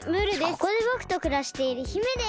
ここでぼくとくらしている姫です。